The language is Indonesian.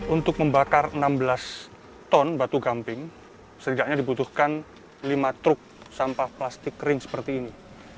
untuk membakar enam belas ton batu gamping setidaknya dibutuhkan lima truk sampah plastik kering seperti ini